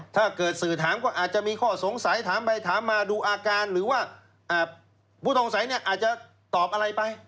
ถ้าเกิดสื่อถามก็อาจจะมีข้อสงสัยถามไปถามมาดูอาการหรือว่าผู้ต้องสัยเนี่ยอาจจะตอบอะไรไป